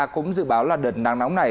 cũng dự báo là đợt nắng nóng này